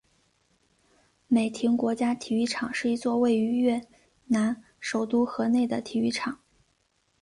美亭国家体育场是一座位于越南首都河内的体育场。